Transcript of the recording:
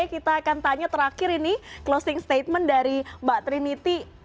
kita akan tanya terakhir ini closing statement dari mbak trinity